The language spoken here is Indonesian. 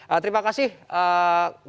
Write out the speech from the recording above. jadi kita akan